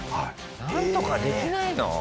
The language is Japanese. なんとかできないの？